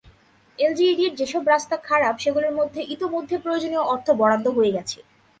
এলজিইডির যেসব রাস্তা খারাপ সেগুলোর জন্য ইতিমধ্যে প্রয়োজনীয় অর্থ বরাদ্দ হয়ে গেছে।